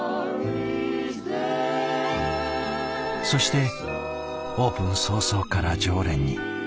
そしてオープン早々から常連に。